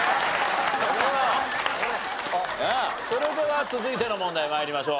それでは続いての問題参りましょう。